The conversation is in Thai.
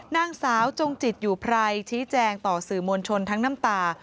นางสาวจงจิตอยู่ไพรชี้แจงต่อสื่อมวลชนทั้งน้ำตา